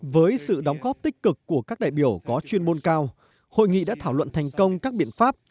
với sự đóng góp tích cực của các đại biểu có chuyên môn cao hội nghị đã thảo luận thành công các biện pháp